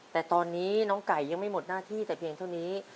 แต่ตอนนี้น้องไก่ยังไม่หมดหน้าที่แต่เพียงเท่านี้